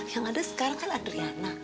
yang ada sekarang kan adriana